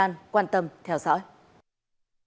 hẹn gặp lại các bạn trong những video tiếp theo